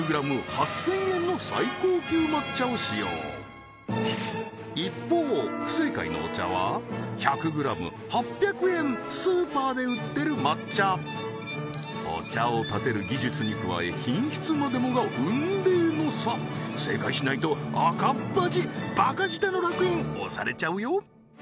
８０００円の最高級抹茶を使用一方不正解のお茶は１００ｇ８００円スーパーで売ってる抹茶お茶をたてる技術に加え品質までもが雲泥の差正解しないと赤っ恥バカ舌のらく印押されちゃうよ